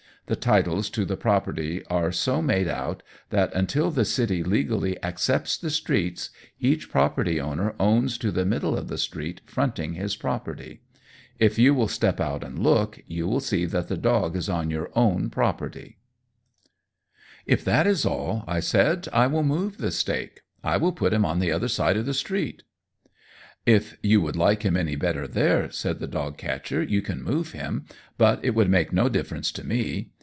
The titles to the property are so made out that until the city legally accepts the streets, each property owner owns to the middle of the street fronting his property. If you will step out and look, you will see that the dog is on your own property." [Illustration: 72] "If that is all," I said, "I will move the stake. I will put him on the other side of the street." "If you would like him any better there," said the dog catcher, "you can move him, but it would make no difference to me.